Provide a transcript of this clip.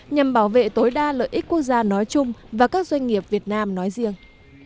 nhằm bảo vệ tối đa lợi ích quốc gia nói chung và các doanh nghiệp việt nam nói riêng